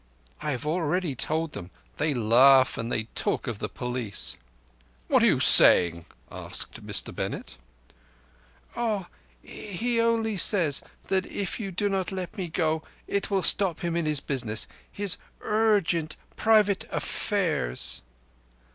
"I have already told them. They laugh, and they talk of the police." "What are you saying?" asked Mr Bennett. "Oah. He only says that if you do not let me go it will stop him in his business—his ur gent private af fairs."